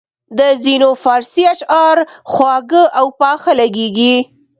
د ځینو فارسي اشعار خواږه او پاخه لګیږي.